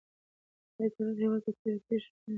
آیا تاریخ یوازي د تېرو پېښو بیان دی؟